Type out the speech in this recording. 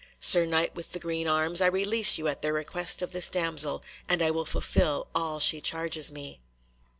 Sir Knight with the green arms, I release you at the request of this damsel, and I will fulfil all she charges me."